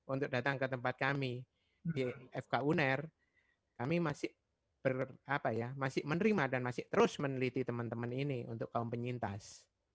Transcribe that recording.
untuk datang ke tempat kami di fk uner kami masih menerima dan masih terus meneliti teman teman ini untuk kaum penyintas